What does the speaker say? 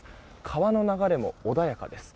川の流れも穏やかです。